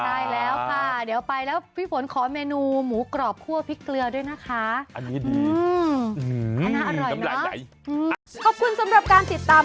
ใช่แล้วค่ะเดี๋ยวไปแล้วพี่ฝนขอเมนูหมูกรอบคั่วพริกเกลือด้วยนะคะ